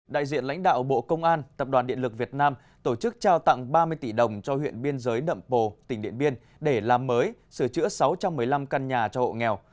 đại diện lãnh đạo bộ công an tập đoàn điện lực việt nam tổ chức trao tặng ba mươi tỷ đồng cho huyện biên giới đậm pồ tỉnh điện biên để làm mới sửa chữa sáu trăm một mươi năm căn nhà cho hộ nghèo